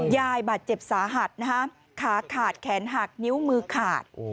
ยายบาดเจ็บสาหัสนะคะขาขาดแขนหักนิ้วมือขาด